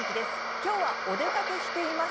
きょうはお出かけしています。